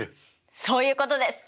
そういうことです！